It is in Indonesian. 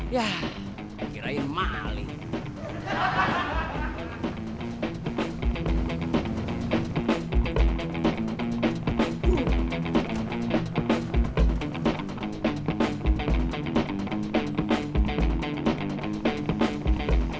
yah kirain maling